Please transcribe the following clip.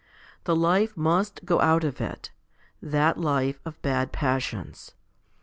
The life must go out of it that life of bad passions. .